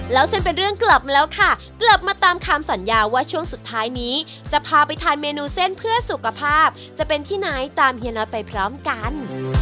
แล้วเส้นเป็นเรื่องกลับมาแล้วค่ะกลับมาตามคำสัญญาว่าช่วงสุดท้ายนี้จะพาไปทานเมนูเส้นเพื่อสุขภาพจะเป็นที่ไหนตามเฮียน็อตไปพร้อมกัน